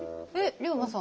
龍馬さん